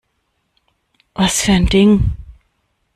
Was für ein Ding?